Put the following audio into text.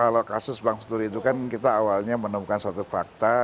ya kalau kasus bank senturi itu kan kita awalnya menemukan satu fakta